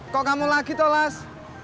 kok kamu lagi las